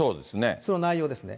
その内容ですね。